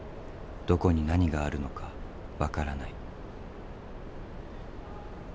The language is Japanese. どこに何があるのか分からない。